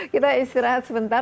kita istirahat sebentar